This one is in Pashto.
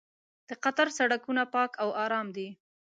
د قطر سړکونه پاک او ارام دي.